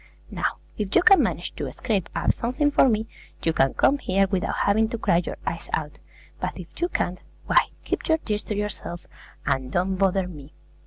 Now, if you can manage to scrape up something for me, you can come here without having to cry your eyes out; but if you can't, why, keep your tears to yourself, and don't bother me!